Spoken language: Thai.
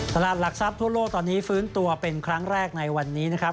ตลาดหลักทรัพย์ทั่วโลกตอนนี้ฟื้นตัวเป็นครั้งแรกในวันนี้นะครับ